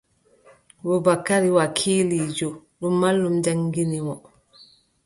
Bubakari wakiiliijo, ɗum mallum jaŋngini mo.